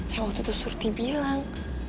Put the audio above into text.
yang waktu itu surti bilang